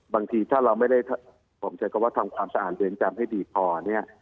บางทีถ้าเราไม่ได้ผมใช้คำว่าทำความสะอาดเรือนจำให้ดีพอเนี่ย